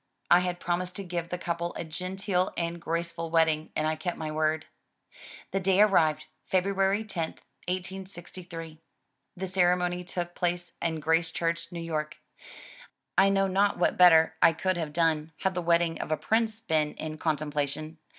I had promised to give the couple a genteel and grace ful wedding and I kept my word. The day arrived, February 10, 1863. The ceremony took place in Grace Church, New York. I know not what better I could have done had the wedding of a prince been in contem plation.